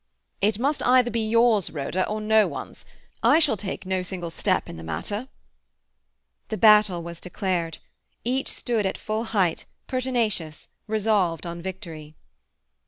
"It must either be yours, Rhoda, or no one's. I shall take no single step in the matter." The battle was declared. Each stood at full height, pertinacious, resolved on victory.